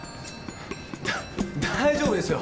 だっ大丈夫ですよ。